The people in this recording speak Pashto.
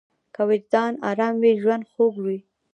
که وجدان ارام وي، ژوند خوږ وي.